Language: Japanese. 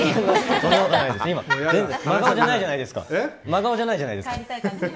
真顔じゃないじゃないですか。